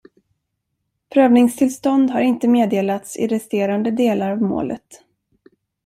Prövningstillstånd har inte meddelats i resterande delar av målet.